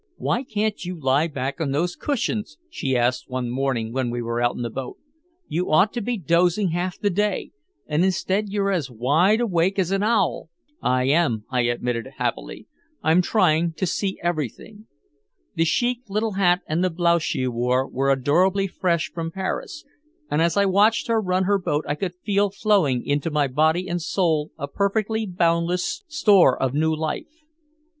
"Why can't you lie back on those cushions?" she asked one morning when we were out in her boat. "You ought to be dozing half the day and instead you're as wide awake as an owl." "I am," I admitted happily. "I'm trying to see everything." The chic little hat and the blouse she wore were adorably fresh from Paris, and as I watched her run her boat I could feel flowing into my body and soul a perfectly boundless store of new life.